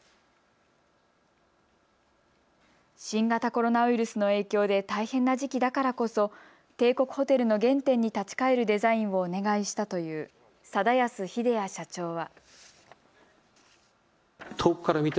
新型コロナウイルスの影響で大変な時期だからこそ帝国ホテルの原点に立ち返るデザインをお願いしたという定保英弥社長は。